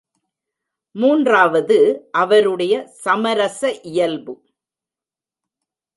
மூன்றாவது அவருடைய சமரச இயல்பு.